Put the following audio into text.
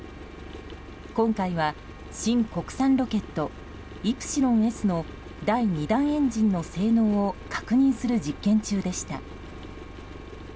今回は新国産ロケットイプシロンＳの第２段エンジンの性能を確認する実験中でした。